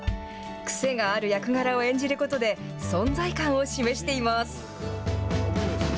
癖がある役柄を演じることで存在感を示しています。